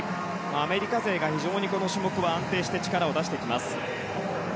アメリカ勢がこの種目は安定して力を出してきます。